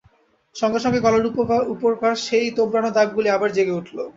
সঙ্গে সঙ্গে গলার উপরকার সেই তোবড়ানো দাগগুলো আবার জেগে উঠল।